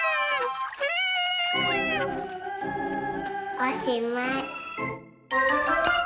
おしまい。